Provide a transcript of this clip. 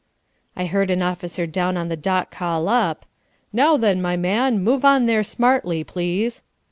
I heard an officer down on the dock call up, "Now then, my man, move on there smartly, please."